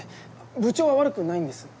部長は悪くないんです。